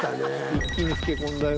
一気に老け込んだよ。